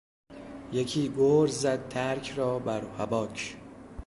یکی گرز زد ترک را بر هباک